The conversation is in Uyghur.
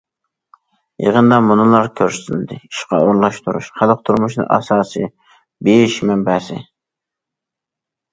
يىغىندا مۇنۇلار كۆرسىتىلدى: ئىشقا ئورۇنلاشتۇرۇش خەلق تۇرمۇشىنىڭ ئاساسى، بېيىش مەنبەسى.